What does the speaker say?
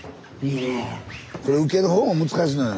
これ受ける方も難しいのよ。